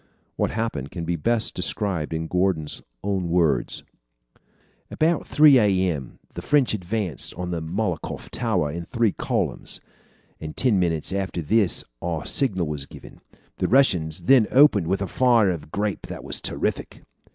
What happened can best be described in Gordon's own words: "About three a. m. the French advanced on the Malakoff tower in three columns, and ten minutes after this our signal was given. The Russians then opened with a fire of grape that was terrific."